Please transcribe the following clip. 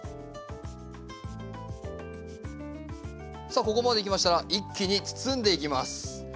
さあここまできましたら一気に包んでいきます。